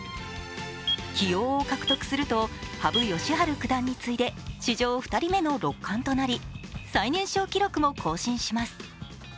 棋王を獲得すると羽生善治九段に次いで史上２人目の六冠となり最年少記録も更新します。